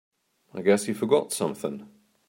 I guess you forgot something.